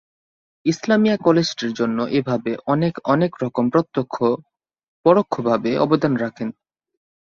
ইসলামিয়া কলেজটির জন্য এভাবে অনেকে অনেক রকম প্রত্যক্ষ পরোক্ষভাবে অবদান রাখেন।